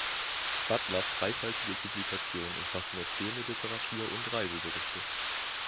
Butlers reichhaltige Publikationen umfassen erzählende Literatur und Reiseberichte.